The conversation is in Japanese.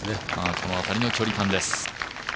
その辺りの距離感です。